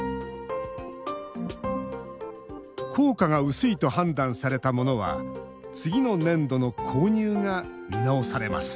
効果が薄いと判断されたものは次の年度の購入が見直されます